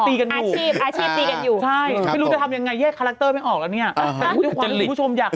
ผู้ชายคนนี้ถ้าเกิดอยู่ในมือคุณพจน์อันนนท์นี่คือเกิดเลยนะคุณแม่